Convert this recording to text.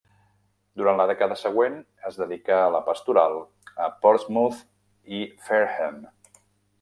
Durant la dècada següent es dedicà a la pastoral a Portsmouth i Fareham.